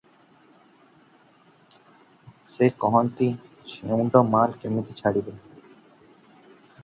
ସେ କହନ୍ତି, "ଛେଉଣ୍ଡ ମାଲ କେମିତି ଛାଡ଼ିବେ?